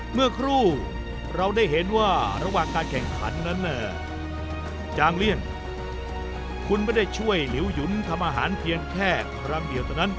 เมื่อครูเราได้เห็นว่าระหว่างการแข่งขันนั้นจางเลี่ยนคุณไม่ได้ช่วยหลิวหยุนทำอาหารเพียงแค่ครั้งเดียวเท่านั้น